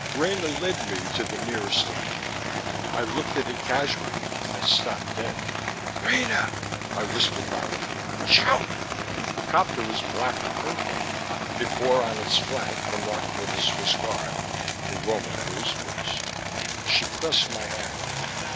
Rena led me to the nearest of them. I looked at it casually, and stopped dead. "Rena!" I whispered violently. "Watch out!" The copter was black and purple; it bore on its flank the marking of the Swiss Guard, the Roman police force. She pressed my hand.